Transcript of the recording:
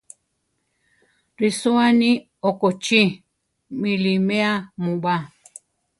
Risóa aní okochí! miʼlimea mu ba!